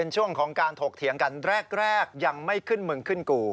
ช่วงของการถกเถียงกันแรกยังไม่ขึ้นมึงขึ้นกู